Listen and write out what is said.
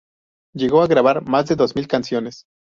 Llegó a grabar más de dos mil canciones.